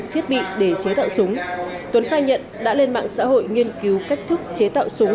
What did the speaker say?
thiết bị để chế tạo súng tuấn khai nhận đã lên mạng xã hội nghiên cứu cách thức chế tạo súng